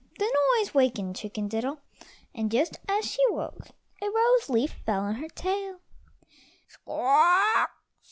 The noise wakened Chicken diddle, and just as she woke a rose leaf fell on her tail.